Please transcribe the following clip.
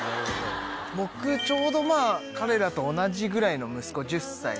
僕ちょうど彼らと同じぐらいの息子１０歳。